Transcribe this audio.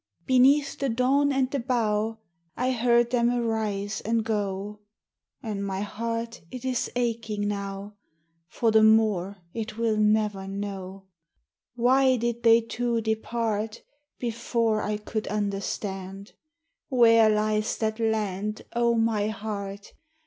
Beneath the dawn and the bough I heard them arise and go: And my heart it is aching now For the more it will never know. Why did they two depart Before I could understand? Where lies that land, O my heart?